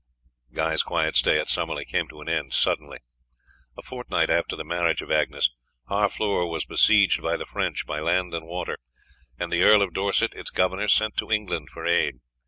Guy's quiet stay at Summerley came to an end suddenly. A fortnight after the marriage of Agnes, Harfleur was besieged by the French by land and water, and the Earl of Dorset, its governor, sent to England for aid.